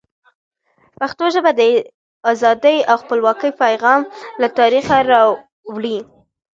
پښتو ژبه د ازادۍ او خپلواکۍ پیغام له تاریخه را وړي.